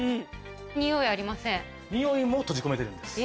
においありません。